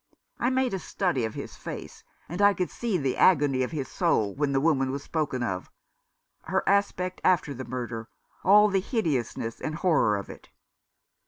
I made a study of his face, and I could see the agony of his soul when the woman was spoken of — her aspect after the murder — all the hideousness and horror of it.